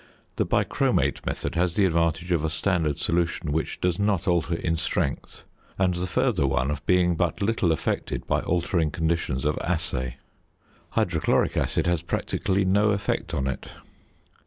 The bichromate method has the advantage of a standard solution which does not alter in strength, and the further one of being but little affected by altering conditions of assay. Hydrochloric acid has practically no effect on it.